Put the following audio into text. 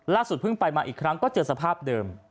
เพิ่งไปมาอีกครั้งก็เจอสภาพเดิม